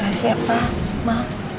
gak siapa ma